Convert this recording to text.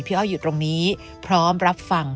อ้อยอยู่ตรงนี้พร้อมรับฟัง